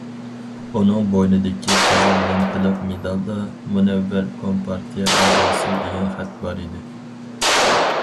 ئۇنىڭ بوينىدىكى قىزىل لېنتىلىق مېدالدا‹‹ مۇنەۋۋەر كومپارتىيە ئەزاسى›› دېگەن خەت بار ئىدى.